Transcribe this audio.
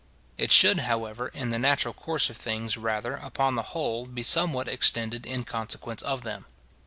It should, however, in the natural course of things, rather, upon the whole, be somewhat extended in consequence of them.